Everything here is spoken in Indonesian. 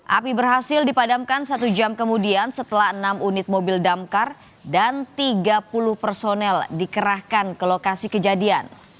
api berhasil dipadamkan satu jam kemudian setelah enam unit mobil damkar dan tiga puluh personel dikerahkan ke lokasi kejadian